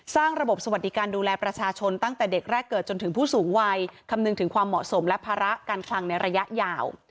สร้างระบบสวัสดิการดูแลประชาชนตั้งแต่เด็กแรกเกิดจนถึงผู้สูงวัยคำนึงถึงความเหมาะสมและภาระการคลังในระยะยาว